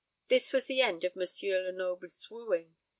This was the end of M. Lenoble's wooing.